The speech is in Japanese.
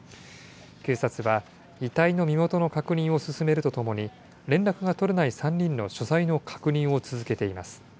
警察は、遺体の身元の確認を進めるとともに、連絡が取れない３人の所在の確認を続けています。